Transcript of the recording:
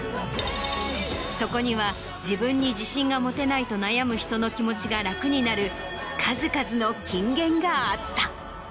そこには自分に自信が持てないと悩む人の気持ちが楽になる数々の金言があった。